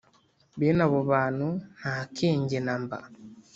bene abo bantu nta kenge na mba,